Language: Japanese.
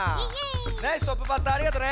ナイストップバッターありがとね。